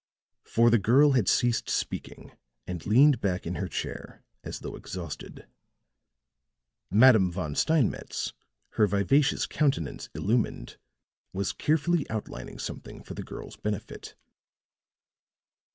For the girl had ceased speaking and leaned back in her chair as though exhausted; Madame Von Steinmetz, her vivacious countenance illumined, was carefully outlining something for the girl's benefit.